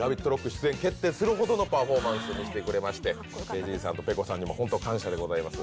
出演決定するほどのパフォーマンスに見してくれましてＫＺさんとｐｅｋｏさんには本当感謝でございます。